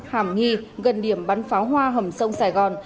hàm nghi gần điểm bắn pháo hoa hầm sông sài gòn